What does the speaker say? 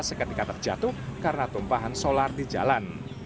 seketika terjatuh karena tumpahan solar di jalan